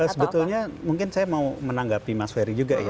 sebetulnya mungkin saya mau menanggapi mas ferry juga ya